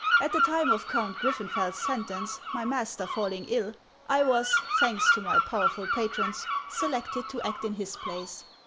At the time of Count Griffen feld's sentence, my master falling ill, I was, thanks to my powerful patrons, selected to act in his place.